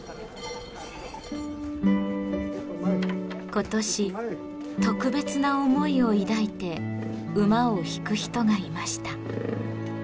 今年特別な思いを抱いて馬を引く人がいました。